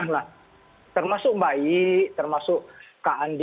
nah termasuk mbak i termasuk kak andi